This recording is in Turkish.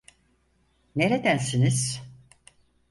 Neredensiniz?